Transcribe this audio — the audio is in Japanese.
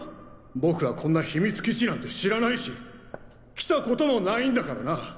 僕はこんな秘密基地なんて知らないし来たこともないんだからな！